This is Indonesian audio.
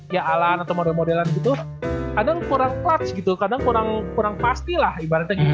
ya alan atau modelan gitu kadang kurang clutch gitu kadang kurang kurang pasti lah ibaratnya gitu